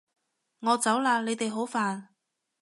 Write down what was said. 我走喇！你哋好煩